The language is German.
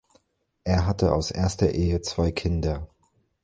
Er hatte aus erster Ehe zwei Kinder.